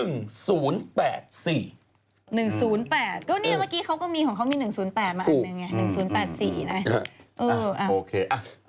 ก็เนี่ยเมื่อกี้เขาก็มีของเขามี๑๐๘มาอันหนึ่งไง๑๐๘๔นะ